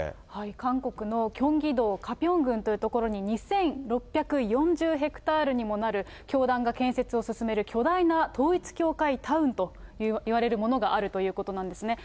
韓国のキョンギ道カピョン郡という所に２６４０ヘクタールにもなる教団が建設を進める巨大な統一教会タウンといわれるものがあるということなんですね。